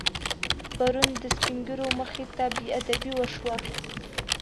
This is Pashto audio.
پرون د سپینږیرو مخې ته بېادبي وشوه.